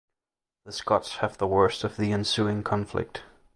The Scots have the worst of the ensuing conflict.